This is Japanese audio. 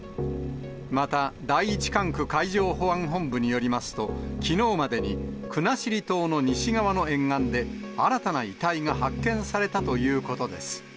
また第１管区海上保安本部によりますと、きのうまでに国後島の西側の沿岸で、新たな遺体が発見されたということです。